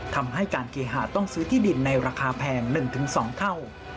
ทำให้การเคหาต้องซื้อที่ดินในราคาแพง๑๒เท่า